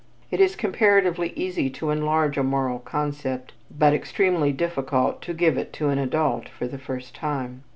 It is comparatively easy to enlarge a moral concept, but extremely difficult to give it to an adult for the first time.